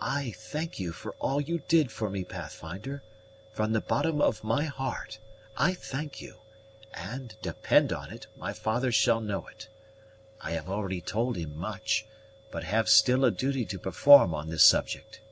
"I thank you for all you did for me, Pathfinder; from the bottom of my heart, I thank you; and, depend on it, my father shall know it. I have already told him much, but have still a duty to perform on this subject."